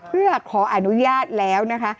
เพื่อขออนุญาตแล้วนะคะ